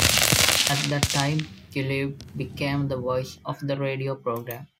At that time, Gliebe became the voice of the radio program.